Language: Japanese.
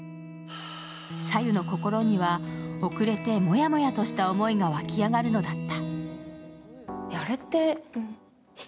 早柚の心には、遅れてもやもやとした思いが湧き上がるのだった。